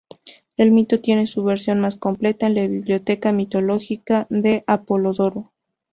El mito tiene su versión más completa en la "Biblioteca mitológica" de Apolodoro.